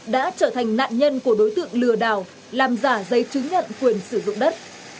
đã trở thành nạn nhân của đối tượng lừa đảo làm giả giấy chứng nhận quyền sử dụng đất